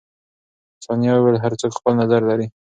ثانیه وویل، هر څوک خپل نظر لري.